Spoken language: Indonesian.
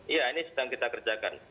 iya ini sedang kita kerjakan